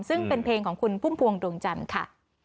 ซึ่งเป็นเพลงของคุณพุ่มพวงดวงจันทร์ค่ะ